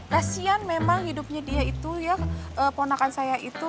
kasian memang hidupnya dia itu ya ponakan saya itu